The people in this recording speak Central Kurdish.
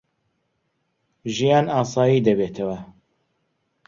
ژیان ئاسایی دەبێتەوە.